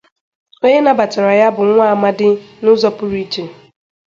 onye nabàtàrà ya bụ nwa amadi n'ụzọ pụrụ iche